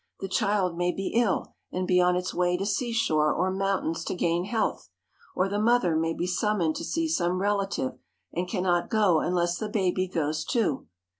The child may be ill, and be on its way to seashore or mountains to gain health; or the mother may be summoned to see some relative, and can not go unless the baby goes too.